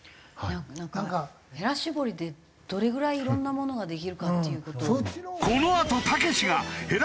へら絞りでどれぐらいいろんなものができるかって。